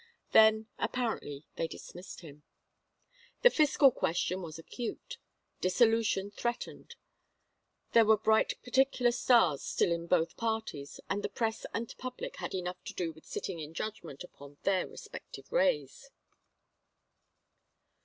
Then, apparently, they dismissed him. The fiscal question was acute. Dissolution threatened. There were bright particular stars still in both parties, and the press and public had enough to do with sitting in judgment upon their respective rays.